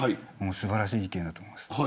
素晴らしい意見だと思います。